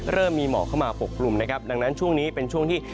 เริ่มมีหมอกเข้ามาปกกลุ่มนะครับดังนั้นช่วงนี้เป็นช่วงที่